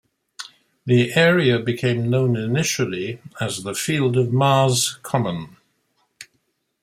The area became known initially as the Field of Mars Common.